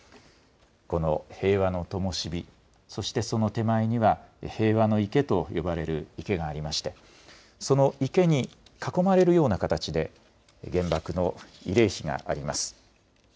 この平和のともし火、そしてその手前には平和の池と呼ばれる池がありまして、その池に囲まれるような形で、原爆の慰霊碑があります。